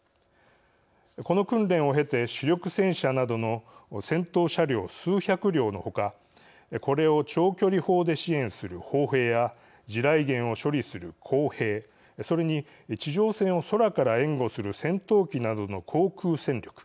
この訓練を経て主力戦車などの戦闘車両数百両のほかこれを長距離砲で支援する砲兵や地雷原を処理する工兵それに地上戦を空から援護する戦闘機などの航空戦力。